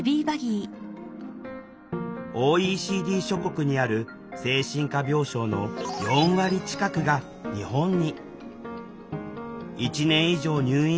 ＯＥＣＤ諸国にある精神科病床の４割近くが日本に。